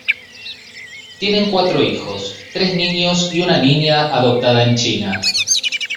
Tienen cuatro hijos: tres niños y una niña, adoptada en China.